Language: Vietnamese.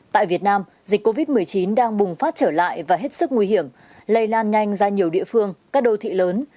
tại việt nam dịch covid một mươi chín đang bùng phát trở lại và hết sức nguy hiểm lây lan nhanh ra nhiều địa phương các đô thị lớn